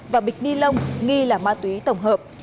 và bịch ni lông nghi là ma túy tổng hợp